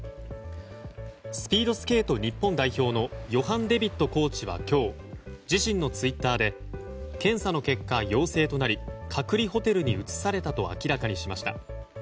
スピードスケート日本代表のヨハン・デビットコーチは今日自身のツイッターで検査の結果、陽性となり隔離ホテルに移されたと明らかにしました。